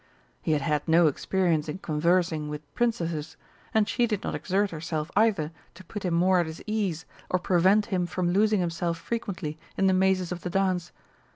He had had no experience in conversing with Princesses, and she did not exert herself either to put him more at his ease or prevent him from losing himself frequently in the mazes of the dance.